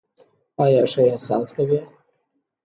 آیا ښه احساس کوې؟